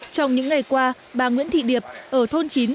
trong những ngày qua bà nguyễn thị điệp ở thôn chín